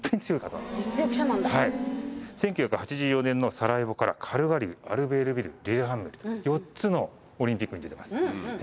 １９８４年のサラエボからカルガリーアルベールビルリレハンメルと４つのオリンピックに出てます。